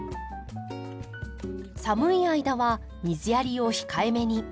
寒い間は水やりを控えめに。